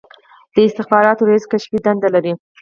د استخباراتو رییس کشفي دنده لري